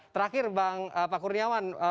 terakhir bang pak kurniawan